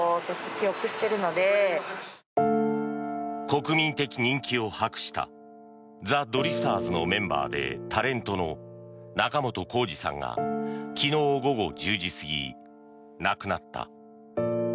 国民的人気を博したザ・ドリフターズのメンバーでタレントの仲本工事さんが昨日午後１０時過ぎ亡くなった。